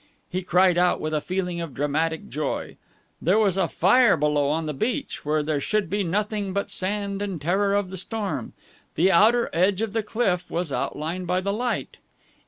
He cried out, with a feeling of dramatic joy. There was a fire below, on the beach, where there should be nothing but sand and the terror of the storm. The outer edge of the cliff was outlined by the light.